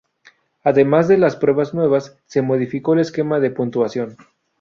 Además de las pruebas nuevas, se modificó el esquema de puntuación.